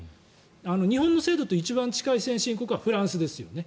日本の制度と一番近い先進国はフランスですよね。